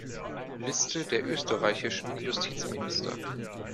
Liste der österreichischen Justizminister